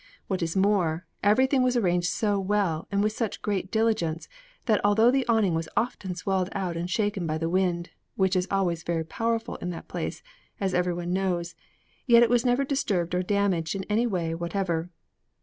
What is more, everything was arranged so well and with such great diligence, that although the awning was often swelled out and shaken by the wind, which is always very powerful in that place, as everyone knows, yet it was never disturbed or damaged in any way whatever.